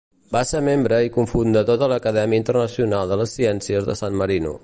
Va ser membre i cofundador de l'Acadèmia Internacional de les Ciències de San Marino.